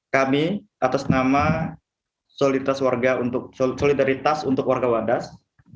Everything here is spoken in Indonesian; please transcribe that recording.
kami atas nama solidaritas untuk warga wadas